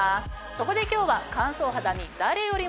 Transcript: そこで今日は。